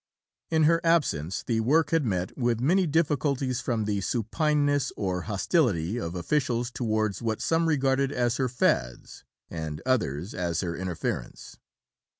In her absence the work had met with many difficulties from the supineness or hostility of officials towards what some regarded as her fads, and others as her interference.